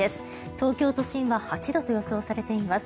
東京都心は８度と予想されています。